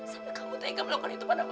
sampai kamu tak ingat melakukan itu pada mama